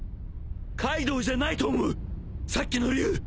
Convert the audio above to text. カイドウじゃないと思うさっきの龍。